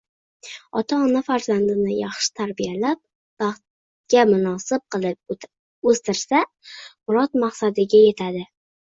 Ota-ona farzandni yaxshi tarbiyalab, baxtga munosib qilib o‘stirsa, murod-maqsadiga yetadi.